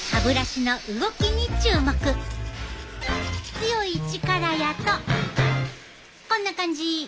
強い力やとこんな感じ。